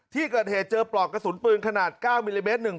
ที่เกิดเหตุเจอปลอกกระสุนปืนขนาด๙มิลลิเมตร